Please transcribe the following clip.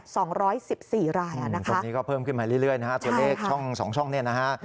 ตรงนี้ก็เพิ่มขึ้นมาเรื่อยนะฮะตัวเลข๒ช่องเนี่ยนะฮะ